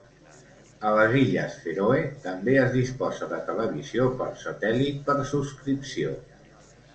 A les Illes Fèroe també es disposa de televisió per satèl·lit per subscripció.